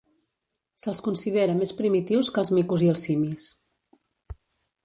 Se'ls considera més primitius que els micos i els simis.